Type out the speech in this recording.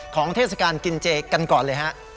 ของเทศกาลกินเจกันก่อนเลยครับ